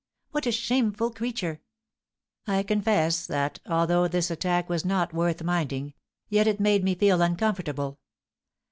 "What a shameful creature!" "I confess that, although this attack was not worth minding, yet it made me feel uncomfortable.